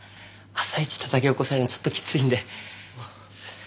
朝イチたたき起こされるのちょっとキツいんで。